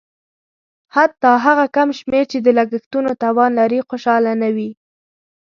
حتی هغه کم شمېر چې د لګښتونو توان لري خوشاله نه وي.